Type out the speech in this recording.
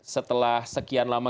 setelah sekian lama